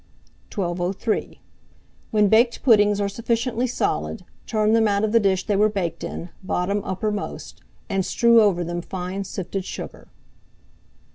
1203. When baked puddings are sufficiently solid, turn them out of the dish they were baked in, bottom uppermost, and strew over them fine sifted sugar.